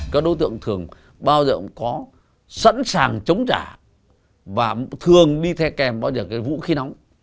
các đối tượng thường bao giờ cũng có sẵn sàng chống trả và thường đi theo kèm bao giờ cái vũ khí nóng